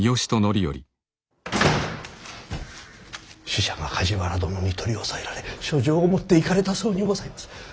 使者が梶原殿に取り押さえられ書状を持っていかれたそうにございます。